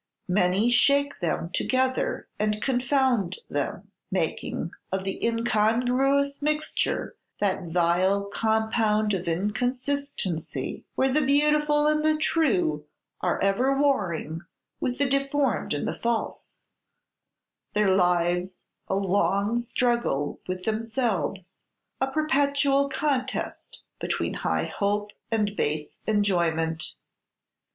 Many shake them together and confound them, making of the incongruous mixture that vile compound of inconsistency where the beautiful and the true are ever warring with the deformed and the false; their lives a long struggle with themselves, a perpetual contest between high hope and base enjoyment.